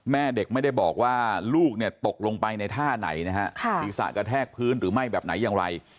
แม่เด็กไม่ได้บอกว่าลูกเนี่ยตกลงไปในท่าไหนนะฮะศีรษะกระแทกพื้นหรือไม่แบบไหนอย่างไร